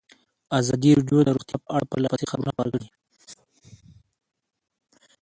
ازادي راډیو د روغتیا په اړه پرله پسې خبرونه خپاره کړي.